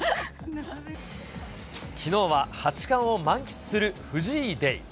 きのうは八冠を満喫する藤井ＤＡＹ。